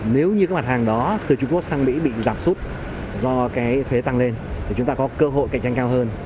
nếu như các mặt hàng đó từ trung quốc sang mỹ bị giảm sút do cái thuế tăng lên thì chúng ta có cơ hội cạnh tranh cao hơn